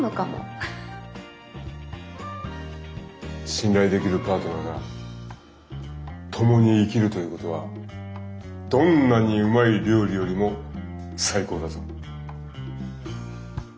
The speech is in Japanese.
信頼できるパートナーが共に生きるということはどんなにうまい料理よりも最高だぞ。